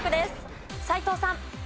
斎藤さん。